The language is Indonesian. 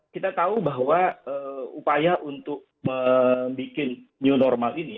kita tahu bahwa upaya untuk membuat new normal ini